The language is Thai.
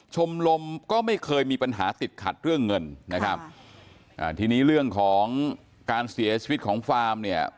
ชมลมก็ไม่เคยมีปัญหาติดขัดเรื่องเงินทีนี้เรื่องของการเสียชีวิตของฟาร์ม